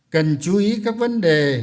cần chú ý các vấn đề